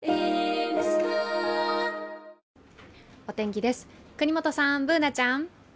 お天気です、國本さんＢｏｏｎａちゃん。